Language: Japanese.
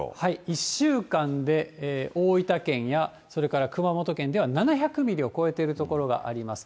１週間で大分県やそれから熊本県では７００ミリを超えている所があります。